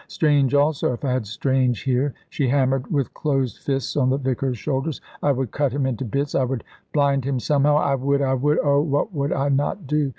Strange also. If I had Strange here" she hammered with closed fists on the vicar's shoulders "I would cut him into bits; I would blind him somehow; I would I would oh, what would I not do?